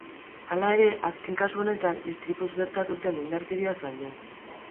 Hala ere, azken kasu honetan, istripuz gertatu zen indarkeriaz baino.